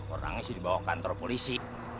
orangnya sih dibawa ke kantor polisi